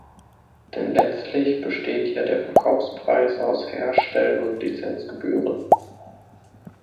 Denn letztlich besteht ja der Verkaufspreis aus Herstell- und Lizenzgebühren.